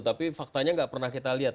tapi faktanya nggak pernah kita lihat